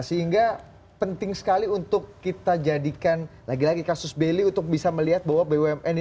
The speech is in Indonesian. sehingga penting sekali untuk kita jadikan lagi lagi kasus beli untuk bisa melihat bahwa bumn ini perlu tata kelola yang baik